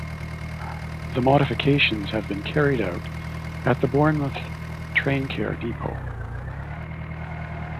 The modifications have been carried out at the Bournemouth Traincare Depot.